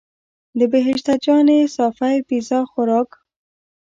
د بهشته جانې صافی پیزا خوراک.